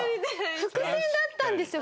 伏線だったんですよ！